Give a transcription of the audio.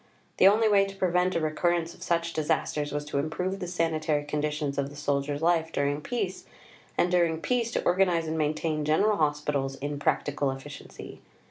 The only way to prevent a recurrence of such disasters was to improve the sanitary conditions of the soldier's life during peace, and during peace to organize and maintain General Hospitals in practical efficiency.